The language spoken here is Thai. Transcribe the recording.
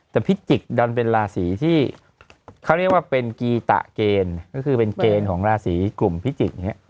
แต่พิจิกษดันเป็นราศีที่เขาเรียกว่าเป็นกีตะเกณฑ์ก็คือเป็นเกณฑ์ของราศีกลุ่มพิจิกเนี่ย